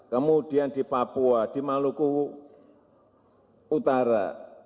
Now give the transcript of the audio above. kemudian di papua di maluku utara